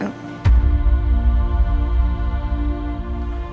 kurang baik sekarang